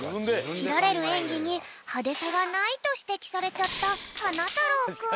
きられるえんぎにハデさがないとしてきされちゃったはなたろうくん。